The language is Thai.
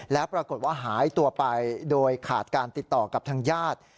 แล้วปรากฏว่าหายตัวไปโดยขาดการติดต่อกับทางญาติ